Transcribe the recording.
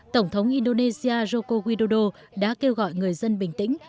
tổng thống indonesia joko widodo đã kêu gọi người dân bình tĩnh